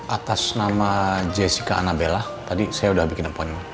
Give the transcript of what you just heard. atas nama jessica anabella tadi saya udah bikin empoin